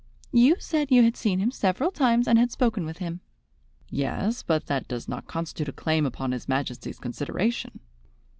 "You said you had seen him several times and had spoken with him." "Yes, but that does not constitute a claim upon His Majesty's consideration."